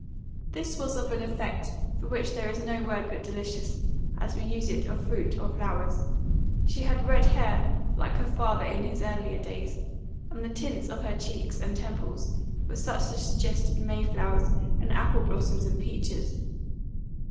This was of an effect for which there is no word but delicious, as we use it of fruit or flowers. She had red hair, like her father in his earlier days, and the tints of her cheeks and temples were such as suggested May flowers and apple blossoms and peaches.